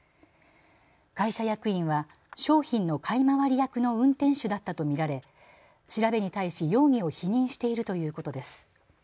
会社役員は商品の買い回り役の運転手だったと見られ調べに対し容疑を否認しているということです。